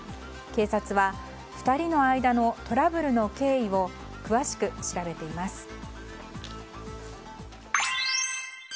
警察は、２人の間のトラブルの経緯を詳しく調べています。